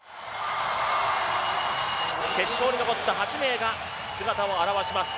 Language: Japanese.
決勝に残った８名が姿を現します。